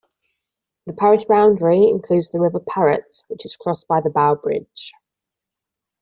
The parish boundary includes the River Parrett which is crossed by the Bow Bridge.